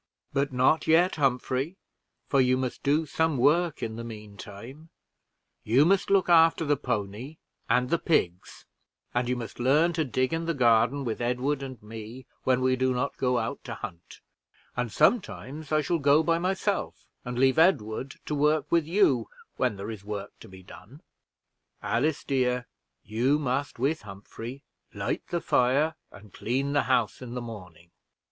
"But not yet, Humphrey, for you must do some work in the mean time; you must look after the pony and the pigs, and you must learn to dig in the garden with Edward and me when we do not go out to hunt; and sometimes I shall go by myself, and leave Edward to work with you when there is work to be done. Alice, dear, you must, with Humphrey, light the fire and clean the house in the morning.